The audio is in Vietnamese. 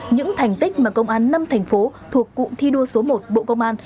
những thành tích mà công an năm thành phố thuộc cụm thi đua số một bộ công an